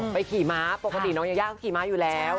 ขี่ม้าปกติน้องยายาเขาขี่ม้าอยู่แล้ว